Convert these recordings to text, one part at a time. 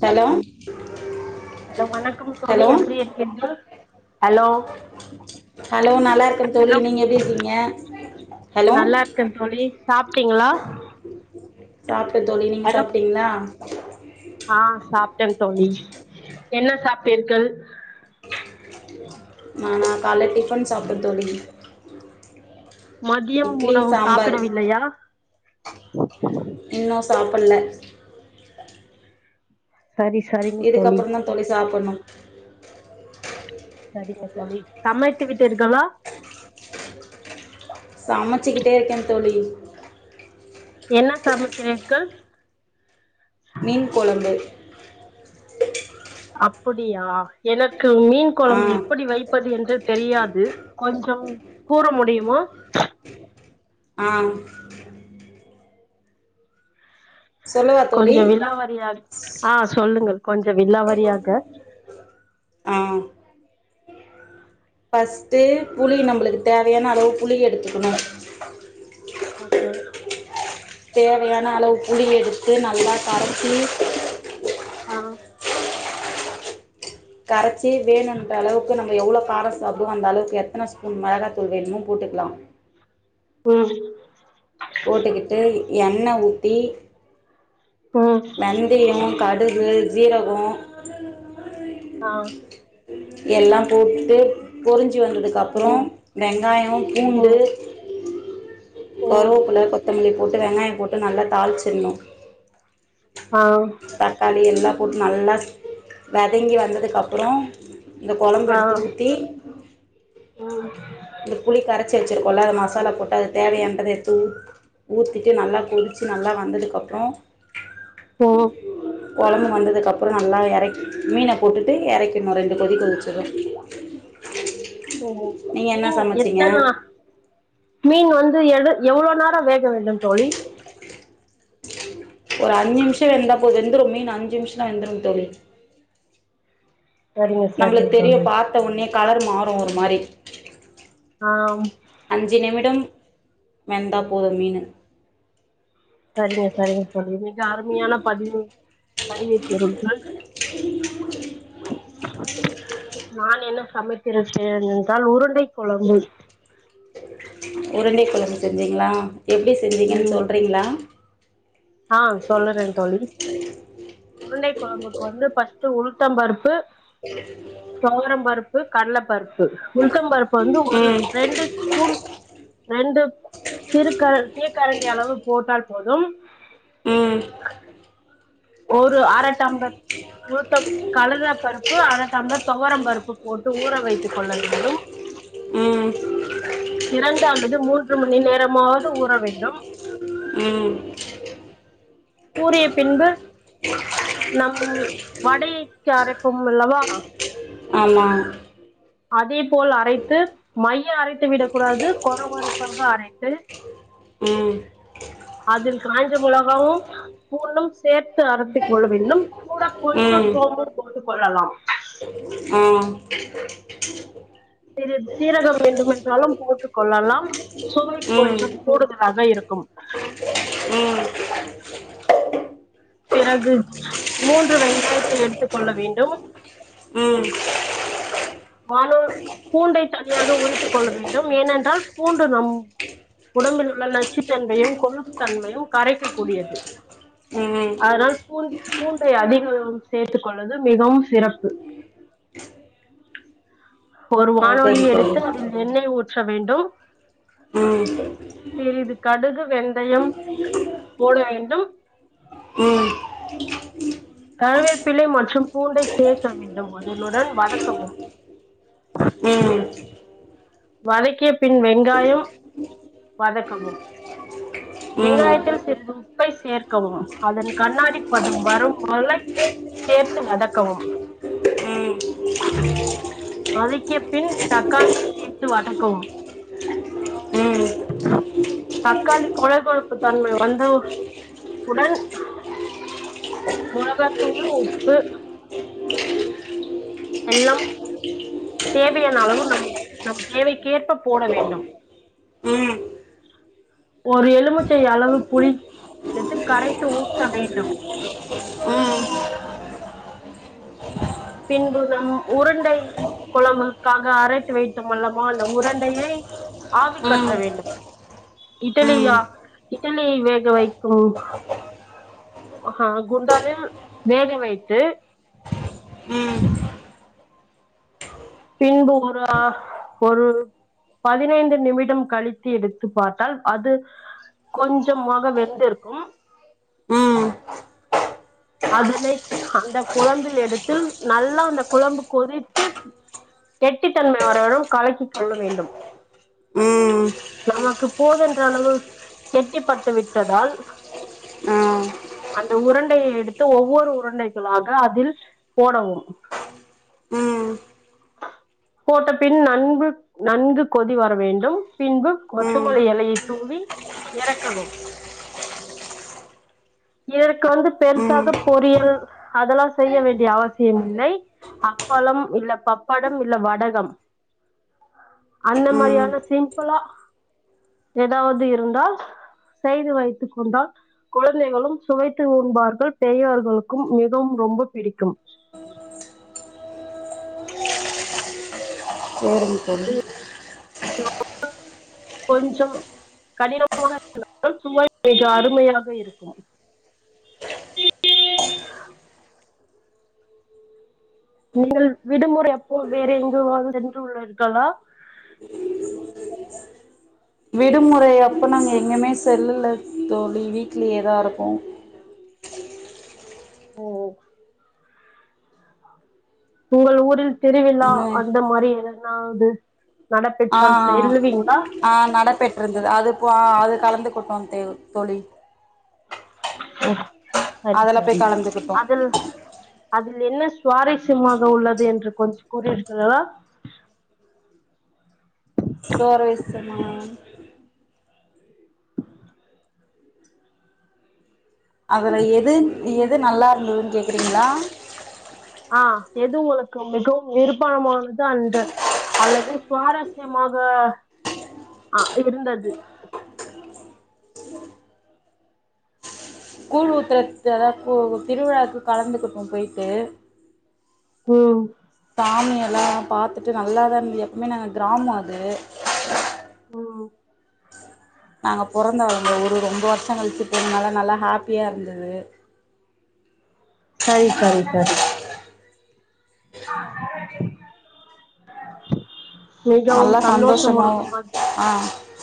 Hello hello வணக்கம் தோழி hello எப்டி இருக்கிங்க? ஹலோ ஹலோ நல்லா இருக்கேன் தோழி ஹலோ நீங்க எப்டி இருக்கீங்க ஹலோ நல்லா இருக்கே தோழி சாப் ட்டீங்களா [inaudible] சாப்டேன் தோழி நீங்க சாப்டீங்களா [inaudible] ஆஹ் சாப்ட்டேன் தோழி என்ன சாப்டீர்கள் நானா காலை டிஃபன் சாப்டேன் தோழி மதியம் இட்லி உணவு சாம்பார் சாப்பிடவில்லையா [inaudible] இன்னும் சாப்பில்ல சரி சரிங்க இதுக்கப்புறம் தான் தோழி சாப்பிடணும் [inaudible] சரிங்க தோழி சமைத்து விட்டீர்களா சமைச்சுக்கிட்டே இருக்கேன் தோழி என்ன சமைக்கிறிர்கள் மீன் கொழம்பு அப்புடியா எனக்கு மீன் ஆ கொழம்பு எப்படி வைத் வைப்பது என்று தெரியாது கொஞ்சம் கூற முடியுமா ஆஹம் சொல்லவா தோழி கொஞ்சம் விளாவாரியாக ஆஹ் சொல்லுங்கள் கொஞ்சம் விளாவாரியாக ஹம் பர்ஃஸ்ட்டு புளி நம்மளுக்கு தேவையான அளவு புளி எடுத்துக்கணும் ஓகே தேவையான அளவு புளி எடுத்து நல்லா கரைச்சி ஆஹ் கரைச்சி வேணுன்ற அளவுக்கு நம்ம எவ்வளவு கார சாப்படுவோம் அந்த அளவுக்கு எத்தனை ஸ்பூன் மிளகாத்தூள் வேணுமோ போட்டுக்கலாம் உம் போட்டுக்கிட்டு என் எண்ணெய் ஊத்தி ம் வெந்தயம் கடுகு ஜீரகோம் ஆ எல்லாம் போட்டுட்டு பொரிஞ்சு வந்ததுக்கு அப்புறம் ம் வெங்காயம் பூண்டு ம் ம் கருவப்பிள்ளை கொத்தமல்லி வெங்காயம் போட்டு நல்லா தாளிச்சிடணும் ஆ தக்காளி எல்லாம் போட்டு நல்லா வதங்கி வந்ததுக்கப்புறம் இந்த குழம்பு ஆ எடுத்து ஊத்தி இந்த புளி கரைச்சல் வச்சு ச்சக்கொள்ள அது மசாலா போட்டு அது தேவையன்றதை எடுத்து ஊ ஊற்றிட்டு நல்லா கொதிச்சு நல்லா வந்ததுக்க அப்புறம் ம் குழம்பு வந்ததுக்கப்புறம் நல்லா இறக்கி மீனை போட்டுட்டு இறக்கணும் ரெண்டு கொதி கொதிச்சிடும் ம் மீன் எத்தனா மீன் வந்து எடு எவ்வளவு நேரம் வேகுது இருக்க வேண்டும் தோழி ஒரு அஞ்சு நிமிஷம் வெந்தா போது வெந்துடும் மீன் அஞ்சு நிமிஷம் த வெந்துடும் தோழி சரிங்க நம்மளுக்கு சரிங்க தெரிய தோழி பார்த்த உனே கலர் மாறும் ஒரு மாரி ஆ அஞ்சு நிமிடம் வெந்தா போதும் மீன்னு சரிங்க சரிங்க தோழி அருமையான பதிவு பதிவித்திரு நான் என்ன சமைத்திருக்கிறேன் என்றால் உருண்டை கொழம்பு உருண்டை கொழம்பு செஞ்சீங்களா எப்படி செஞ்சீங்கன்னு சொல்கிறீங்களா ஆஹ் சொல்லறேன் தோழி உருண்டை குழம்புக்கு வந்து பர்ஸ்ட் உளுத்த பருப்பு துவர பருப்பு கடலைப்பருப்பு உளுத்த பருப் இப்ப வந்து ஒரு ம் ரெண்டு ஸ்பூன் ரெண்டு சிறு கர தேக்கரண்டி அளவு போட்டால் போதும் ம் ஒரு அரை டம்ளர் கழுத பருப்பு அரைட் டம்ளர் துவரம் பருப்பு போட்டு ஊற வைத்துக் கொள்ள வேண்டும் ம் இரண்டாவது மூன்று மணி நேரமாவது ஊற வேண்டும் ம் கூறிய பின்பு நம் வடைக்கு அரைப்போம் அல்லவா ஆமா அதேபோல் அரைத்து மைய அரைத்து விடக் கூடாது கொர கொரப்பாக அரைத்து ம் அதில் காஞ்ச மிளகாவும் பூண்டும் சேர்த்து அரைத்திக் கொள்ள வேண்டும் கூட கொஞ்சம் ம் சோம்பும் போட்டுக் கொள்ளலாம் ஆ சிறிது சீரகம் வேண்டுமென்றாலும் போட்டுக் கொள்ளலாம் சுவை ம் ம் கொஞ்சம் கூடுதலாக இருக்கும் பிறகு மூன்று வெங்காயத்தை எடுத்துக் கொள்ள வேண்டும் ம் வானுல் பூண்டை தனியாக உரித்துக் கொள்ள வேண்டும் ஏனென்றால் பூண்டு நம் உடம்பில் உள்ள நச்சுத்தன்மையும் கொழுப்பு தன்மையும் கரைக்கக் கூடியது ம் அதனால் பூ பூண்டை அதிகம் சேர்த்துக் கொள்வது மிகவும் சிறப்பு ஒரு ஓகேங்க வானொலியை தோழி எடுத்து அதில் எண்ணெய் ஊட் ஊற்ற வேண்டும் ம் சிறிது கடுகு வெந்தயம் போட வேண்டும் ம் ம் கருவேப்பிலை மற்றும் பூண்டை சேர்க்க வேண்டும் அதனுடன் வதக்கவும் ம் ம் ம் ம் ம் ம் வதக்கிய பின் வெங்காயம் வதக்கவும் ம் ம் ம் ம் வெங்காயத்தில் சிறிது உப்பை சேர்க்கவும் அதன் கண்ணாடி பதும் வரும் வளை சேர்த்து வதக்கவும் ஆ வதக்கிய பின் தக்காளி சேத்து வதக்கவும் தக்காளி கொல கொலப்பு தன்மை வந்து உடன் மொளகாத்தூளு உப்பு வெல்லாம் தேவியான அளவு நம் நம் தேவைக்கேற்ப போட வேண்டும் ஒரு எலுமுச்சை அளவு புளி எடுத்து கரைத்து ஊற்ற வேண்டும் பின்பு நம் உருண்டை கொழம்புக்காக அரைத்து வைத்தமொல்லமோ அந்த உருண்டையை ஆவி கற்ற ம் வேண்டும் இட்டலியா ம் ம் இட்டலியை வேக வைக்கும் ஆ குண்டாவில் வேக வைத்து ம் பின்பு ஒரு ஒரு பதினைந்து நிமிடம் கழித்து எடுத்து பார்த்தால் அது கொஞ்சமாக வெந்திருக்கும் சரிங்க தோழி அதுனை அந்த குழம்பில் எடுத்தில் நல்லா அந்த குழம்பு கொதித்து கெட்டித்தன்மை வரவரும் கலக்கி கொள்ள வேண்டும் நமக்கு போதன்ற அளவு கெட்டிப்பட்டு விட்டதால் அந்த உருண்டையை எடுத் து ஒவ்வொரு உருண்டைகளாக அதில் போடவும் போட்ட பின் நன்பு நன்கு கொதி வர வேண்டும் பின்பு கொற்றமல்லி எலையை தூவி ஏறக்கவும் எருக்கு வந்து பெருசாக பொரியல் அதெல்லா செய்ய வேண்டிய அவசியம் இல்லை அப்பளம் இல்ல பப்படம் இல்ல வடகம் அந்த மாரியான சிம்புளா ஏதாவது இருந்தால் செய்து வைத்து கொண்டால் குழத் குழந்தைகளும் சுவைத்து உண்பார்கள் பெரியவர்களுக்கும் மிகவும் ரொம்ப பிடிக்கும் செரிங் தோழி [unintelligible] கொஞ்சம் கடினமாக இருந்தாலும் சுவை மிக அருமையாக இருக்கும் நீங்கள் விடுமுறை அப்போ வேறு எங்குவாது சென்று உள்ளீர்களா விடுமுறை அப்பு நாங்க எங்குமே செல்லல தோழி வீட்லயே தா இருக்கோ ஓ உங்கள் ஊரில் திருவிழா என்ன அந்த மாரி என நாவ் து ஆ ஆ ஆ நடப்பெற்றது அது இப்போ அது கலந்துகுட்டோ தேவ் தோழி ம் அதுல பேய் கலந்துகிட்டோ அதில் என்ன சுவாரிஸ்யமாக உள்ளது என்று கொஞ் கூறிர்களா சோரவேசமா அதுல எது எது நல்லா இருந்ததுன்னு கேக்றீங்களா ஆ எது உங்களுக்கு மிகவும் நிர்பணமானது அந்த அல்லது சுவாரஸ்யமாக ஆ இருந்தது கூழ் ஊத்றத் தேன கூழ் ஊத் திருவிழாக்கு கலந்துகிட்டோ பேய்ட்டு ம் சாமியெல்லா பாத்துட்டு நல்லா தா இருந்துது எப்பமே நாங்க கிராமோ அது ம் நாங்க பொறந்து வளந்த ஊரு ரொம்ப வருஷோ கழிச்சு போனனால நல்ல ஹாப்பியா இருந்தது சரி சரி சரி [inaudible] மிகவும் நல்லா சந்தோஷ சந்தோஷமாவு உலகமாக இருந்தது ஆ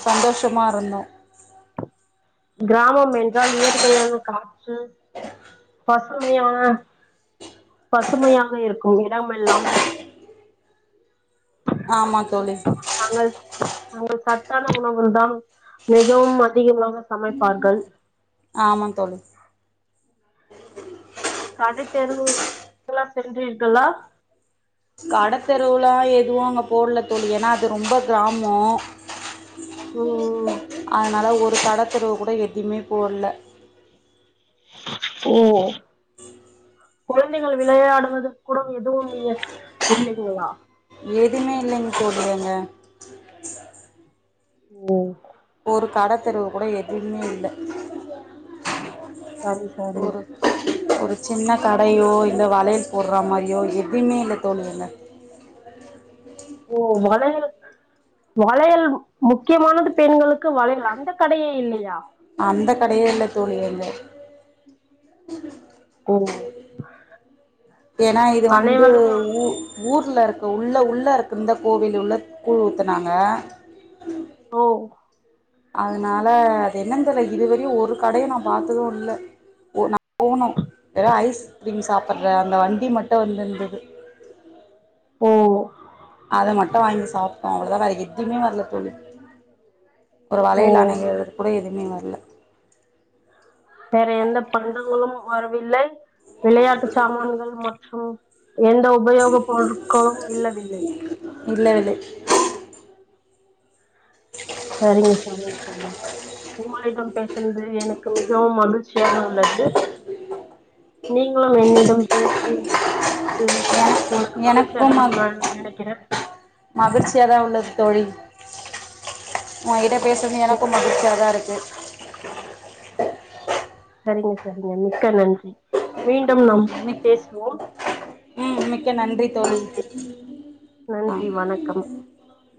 சந்தோஷமா இருந்தோ கிராமம் என்றால் இயற்கையான காற்று பசுமையான பசுமையாக இருக்கும் இடம் எல்லாம் ஆமா தோழி அங்க சத்தான உணவு தான் மிகவும் அதிகமாக. சமைப்பார்கள். ஆமா தோழி. கடைத்தெருவுக் கெல்லாம் சென்றீர்களா. கடைத்தெருவுலாம் எதுவும் அங்க போடல தோழி ஏன்னா அது ரொம்ப கிராமம். ஹம். அதனால் ஒரு கடத்தெருவுக் கூட எதுவுமே போடல. ஓ குழந்தைகள் வெளையாடுவது கூட எதுவும் இல்லைங்களா. எதுவுமே இல்லைங்க தோழி அங்கே [unintelligible] உம். ஒரு கடை தெருவு கூட எதுமே இல்ல. சரி சரி. ஒரு சின்ன கடையோ இல்லை வளையல் போடுற மாரியோ எதுவுமே இல்லை தோழி அங்க ஓ வளையல் வளையல் முக்கியமானது பெண்களுக்கு வளையல் அந்த கடையே இல்லையா. அந்த கடையே இல்ல தோழியங்க. ஓ. ஏன்னா இது வந்து அனைவரும் அ ஊ. ஊர்ல இருக்கா உள்ள உள்ள இருக்குந்த. கோவில் உள்ள கூழ் ஊத்துனாங்க. ஓ. அதனால அது என்னன்ன தெர்ல இதுவரையும் ஒரு கடைய நான் பார்த்ததும் இல்ல நான் போனோம் வேற ஐஸ்கிரீம் சாப்பிடுற அந்த வண்டி மட்டும் வந்திருந்தது. ஓ. அதை மட்டும் வாங்கி சாப்பிட்டோம். அவ்வளதான் வேற ஏதுவுமே வர்ல தோழி ஒரு ஓ அலையில அணங்கது கூட எது. ஏன் வர்ல. வேற எந்த பண்டங்களும் வரவில்லை. விளையாட்டு சாமான்கள் மொ. ஹம் எந்த உபயோகப் பொருட்களும் இல்லவில்லை. இல்லவில்லை. செரிங்க செரிங்க தோழி உங்களிடம் பேசுனது எனக்கு மிகவும் மகிழ்ச்சியாக உள்ளது நீங்களும் என்னிடம் பேசி. உங்களுக்கு மகிழ்ச்சி எனக்கும் அடையணும் நான் நினைக்கிறேன் மகிழ்ச்சியாதான் உள்ளது தோழி. உங்கிட்ட. பேசுனது எனக்கும் மிக்க மகிழ்ச்சியாக தான் இருக்கு. [unintelligible] நன்றி சார் நன்றி மிக்க நன்றி. மீண்டும் நம் மிக் பேசுவோம். ம் ம் மிக்க நன்றி தோழி நன்றி ஆ நன்றி வணக்கம்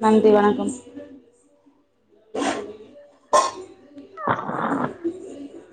நன்றி வணக்கம் [inaudible]